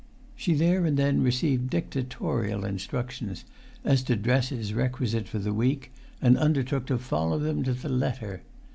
She there and then received dictatorial instructions as to dresses requisite for the week, and undertook to follow them to the letter.